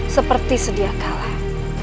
seperti sedia kalah